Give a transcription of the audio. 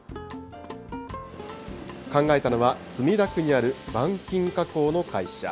考えたのは、墨田区にある板金加工の会社。